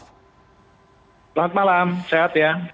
selamat malam sehat ya